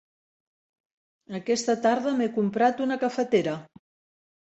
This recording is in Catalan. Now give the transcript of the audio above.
Aquesta tarda m'he comprat una cafetera.